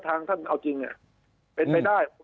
ดูท่านท่านเอาจริงเนี่ยเป็นเป็นได้